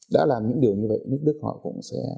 đặc biệt là tôi cũng